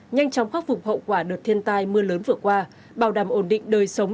nhanh chóng khắc phục hậu quả đợt thiên tai mưa lớn vừa qua bảo đảm ổn định đời sống